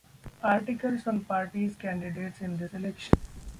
"Articles on parties' candidates in this election:"